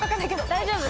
大丈夫？